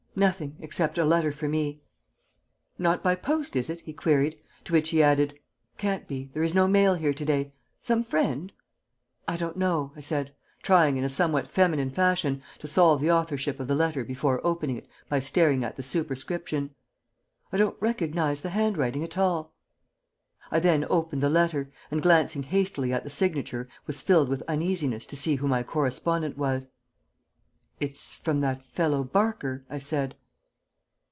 "Nothing, except a letter for me." "Not by post, is it?" he queried; to which he added, "Can't be. There is no mail here to day. Some friend?" "I don't know," I said, trying, in a somewhat feminine fashion, to solve the authorship of the letter before opening it by staring at the superscription. "I don't recognize the handwriting at all." I then opened the letter, and glancing hastily at the signature was filled with uneasiness to see who my correspondent was. "It's from that fellow Barker," I said.